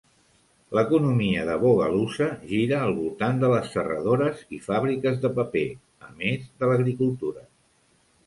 L'economia de Bogalusa gira al voltant de les serradores i fàbriques de paper, a més de l'agricultura.